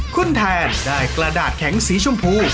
คุณแทนได้กระดาษแข็งสีชมพู